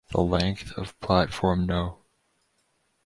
The length of Platform no.